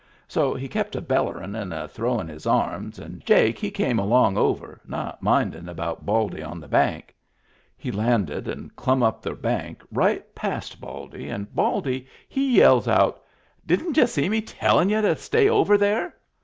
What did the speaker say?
So he kept a bellerin' and throwin* his arms, and Jake he came along over, not mindin' about Baldy on the bank. He landed and dumb up the bank right past Baldy, and Baldy he yells out :— "Didn't y'u see me tellin' y'u to stay over there?"